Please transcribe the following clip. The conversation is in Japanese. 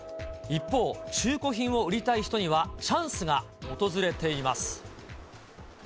一方、中古品を売りたい人には、チャンスが訪れています。